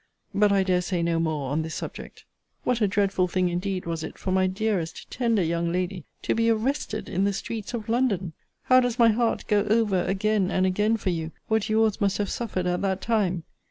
But I dare say no more on this subject. What a dreadful thing indeed was it for my dearest tender young lady to be arrested in the streets of London! How does my heart go over again and again for you, what your's must have suffered at that time!